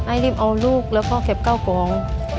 ให้รีบเอาลูกแล้วก็เก็บข้าวของ